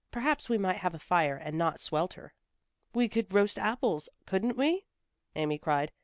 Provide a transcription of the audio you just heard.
Perhaps we might have a fire and not swelter." "We could roast apples, couldn't we?" Amy cried.